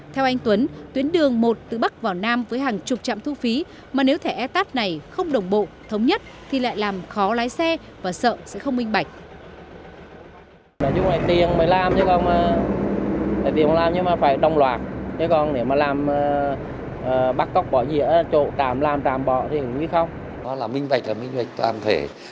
theo anh tuấn tuyến đường một từ bắc vào nam với hàng chục trạm thu phí mà nếu thẻ e tat này không đồng bộ thống nhất thì lại làm khó lái xe và sợ sẽ không minh bạch